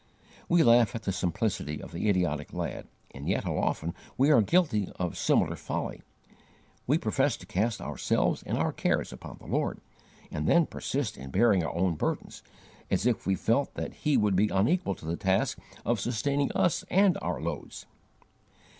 We laugh at the simplicity of the idiotic lad, and yet how often we are guilty of similar folly! We profess to cast ourselves and our cares upon the Lord, and then persist in bearing our own burdens, as if we felt that He would be unequal to the task of sustaining us and our loads.